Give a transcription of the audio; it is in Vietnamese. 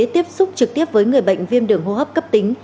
tiếp xúc trực tiếp với người bệnh viêm đường hô hấp cấp tính